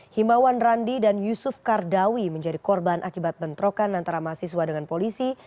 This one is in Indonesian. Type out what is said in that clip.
himawan randi dan yusuf kardawi menjadi korban akibat bentrokan antara mahasiswa dengan polisi